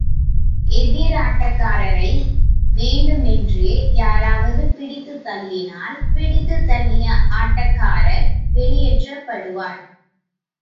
எதிராட்டக்காரரை வேண்டுமென்றே யாராவது பிடித்துத் தள்ளினால், பிடித்துத் தள்ளிய ஆட்டக்காரர் வெளியேற்றப்படுவார்.